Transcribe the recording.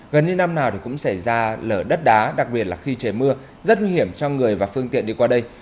gần như năm nào thì cũng xảy ra lở đất đá đặc biệt là khi trời mưa rất nguy hiểm cho người và phương tiện đi qua đây